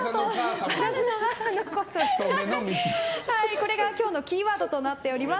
これが今日のキーワードとなっております。